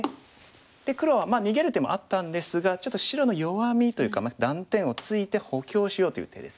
で黒は逃げる手もあったんですがちょっと白の弱みというか断点をついて補強しようという手ですね。